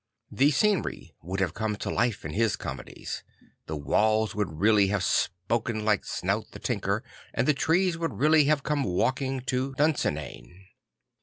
The scenery would have come to life in his comedies; the walls would really have spoken like Snout the Tinker and the trees would really have come walking to Dunsinane.